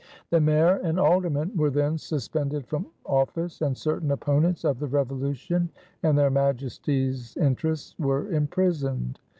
The Mayor and Aldermen were then suspended from office, and certain opponents of the Revolution and their Majesties' interests, were imprisoned.